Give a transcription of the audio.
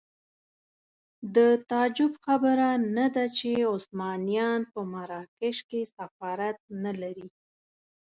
د تعجب خبره نه ده چې عثمانیان په مراکش کې سفارت نه لري.